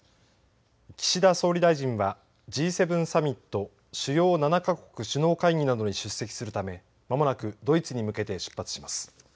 岸田総理大臣はＧ７サミット＝主要７か国首脳会議などに出席するためまもなくドイツに向けて出発します。